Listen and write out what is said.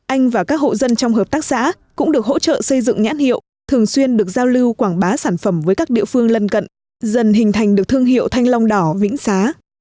anh và các hộ dân trong hợp tác xã cũng được hỗ trợ xây dựng nhãn hiệu thường xuyên được giao lưu quảng bá sản phẩm với các địa phương lân cận dần hình thành được thương hiệu thanh long đỏ vĩnh xá